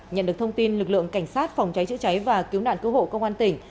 nhận được thông tin lực lượng cảnh sát phòng cháy chữa cháy và cứu nạn cứu hộ công an tỉnh